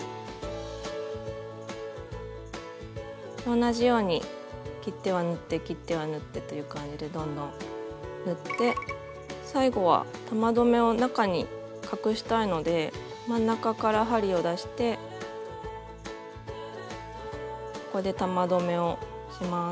同じように切っては縫って切っては縫ってという感じでどんどん縫って最後は玉留めを中に隠したいので真ん中から針を出してここで玉留めをします。